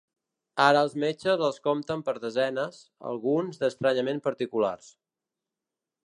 Ara els metges els compten per desenes, alguns d’estranyament particulars.